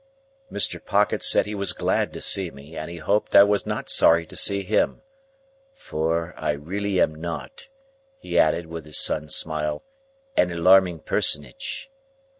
Mr. Pocket said he was glad to see me, and he hoped I was not sorry to see him. "For, I really am not," he added, with his son's smile, "an alarming personage."